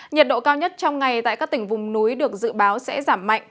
nhiệt độ cao nhất trong ngày tại các tỉnh vùng núi được dự báo sẽ giảm mạnh